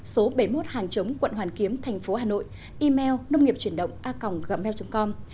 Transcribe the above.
số bảy mươi một hàng chống quận hoàn kiếm thành phố hà nội email nôngnghiệpchuyendonga gmail com